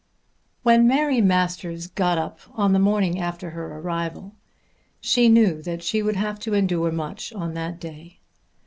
When Mary Masters got up on the morning after her arrival she knew that she would have to endure much on that day.